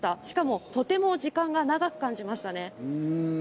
しかもとても時間が長く感じましたね。